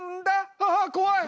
ああ怖い！